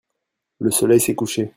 Le soleil s'est couché.